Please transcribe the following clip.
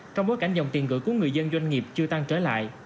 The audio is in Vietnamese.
trong bối cảnh dòng tiền gửi của người dân doanh nghiệp chưa tăng trở lại